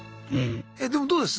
えでもどうです？